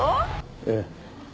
ええ。